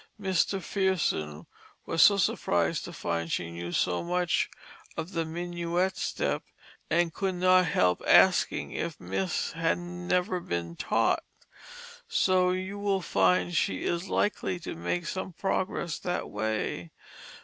Mr. Fearson was so surprised to find she knew so much of the Minuet step, and could not help asking if Miss had never been taught. So you will find she is likely to make some progress that way.